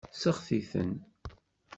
Seɣti-ten.